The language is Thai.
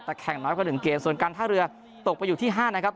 แต่แข่งน้อยกว่า๑เกมส่วนการท่าเรือตกไปอยู่ที่๕นะครับ